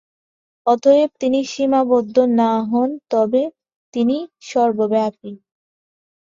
অতএব যদি তিনি সীমাবদ্ধ না হন, তবে তিনি সর্বব্যাপী।